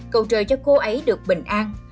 cầu trời cho cô ấy được bình an